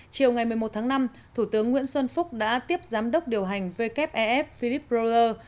chiều ngày một mươi một tháng năm thủ tướng nguyễn xuân phúc đã tiếp giám đốc điều hành wef philip prower